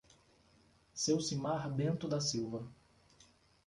Ceucimar Bento da Silva